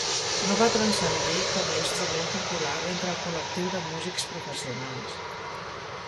No va transcendir com a instrument popular entre el col·lectiu de músics professionals.